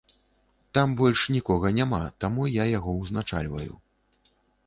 Там больш нікога няма, таму я яго ўзначальваю.